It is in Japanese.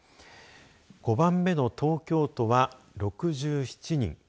５番目の東京都は６７人。